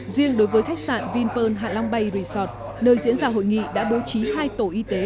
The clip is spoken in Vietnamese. riêng đối với khách sạn vinpearl hạ long bay resort nơi diễn ra hội nghị đã bố trí hai tổ y tế